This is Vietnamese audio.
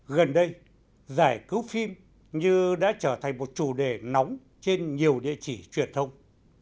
gần đây giải cứu phim như đã trở thành một chủ đề nóng trên nhiều địa chỉ truyền thông